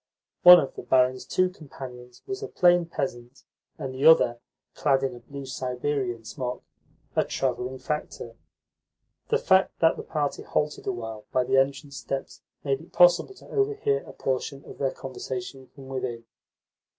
One of the barin's two companions was a plain peasant, and the other (clad in a blue Siberian smock) a travelling factor. The fact that the party halted awhile by the entrance steps made it possible to overhear a portion of their conversation from within.